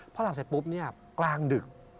พอหลับเสร็จปุ๊บเนี่ยกลางดึก